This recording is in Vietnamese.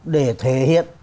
để thể hiện